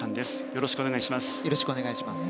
よろしくお願いします。